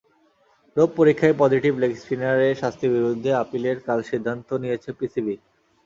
Dope পরীক্ষায় positive leg স্পিনারের শাস্তির বিরুদ্ধে আপিলের কাল সিদ্ধান্ত নিয়েছে পিসিবি।